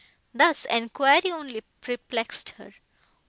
Thus, enquiry only perplexed her.